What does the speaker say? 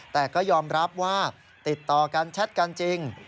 แต่ก็ยอมรับว่าติดต่อกันแชทกันจริง